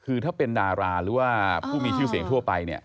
คือถ้าเป็นดาราหรือว่าผู้มีชื่อเสียงทั่วไปเนี่ย